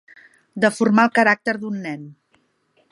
Deformar el caràcter d'un nen.